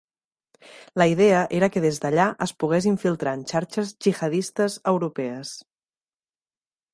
La idea era que des d’allà es pogués infiltrar en xarxes gihadistes europees.